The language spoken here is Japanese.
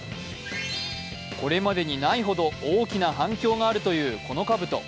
これまでにないほど大きな反響があるというこのかぶと。